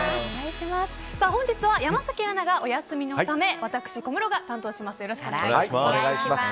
本日は山崎アナがお休みのため私、小室が担当します。